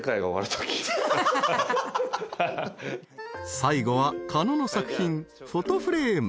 ［最後は狩野の作品フォトフレーム］